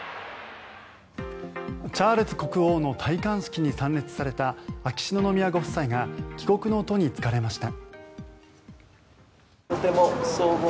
チャールズ国王の戴冠式に参列された秋篠宮ご夫妻が帰国の途に就かれました。